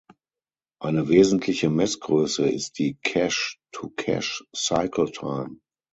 Eine wesentliche Messgröße ist die Cash-to-cash-cycle-time.